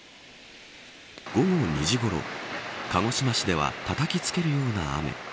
午後２時ごろ鹿児島市ではたたきつけるような雨。